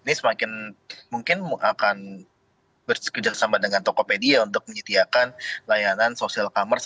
ini semakin mungkin akan bekerjasama dengan tokopedia untuk menyediakan layanan social commerce